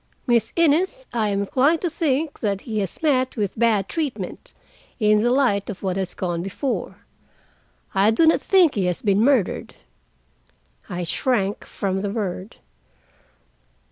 Miss Innes, I am inclined to think that he has met with bad treatment, in the light of what has gone before. I do not think he has been murdered." I shrank from the word.